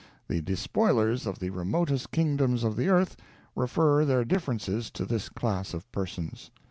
The despoilers of the remotest kingdoms of the earth refer their differences to this class of persons.